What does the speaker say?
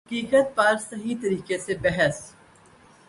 حقیقت پر صحیح طریقہ سے بحث